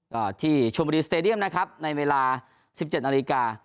ก็ที่ชมดีสเตรเดียมนะครับในเวลาสิบเจ็ดนาฬิกา